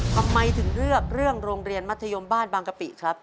ทำไมถึงเลือกเรื่องโรงเรียนมัธยมบ้านบางกะปิครับ